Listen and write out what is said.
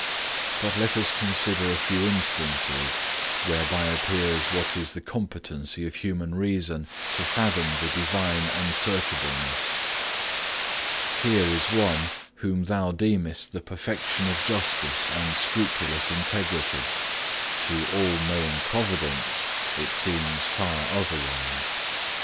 But let us consider a few instances whereby appears what is the competency of human reason to fathom the Divine unsearchableness. Here is one whom thou deemest the perfection of justice and scrupulous integrity; to all knowing Providence it seems far otherwise.